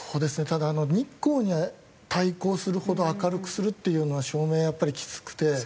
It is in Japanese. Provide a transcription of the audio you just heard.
ただ日光に対抗するほど明るくするっていうのは照明やっぱりきつくて。